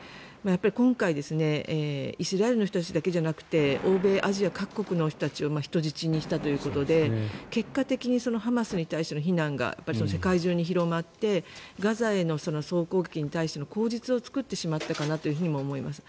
今回イスラエルの人たちだけじゃなく欧米、アジア各国の人たちを人質にしたということで結果的にハマスに対しての非難が世界中に広まってガザへの総攻撃に対しての口実を作ってしまったかなと思います。